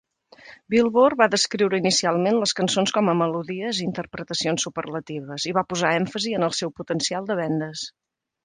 Billboard da descriure inicialment les cançons com a "melodies i interpretacions superlatives", i va posar èmfasi en el seu potencial de vendes.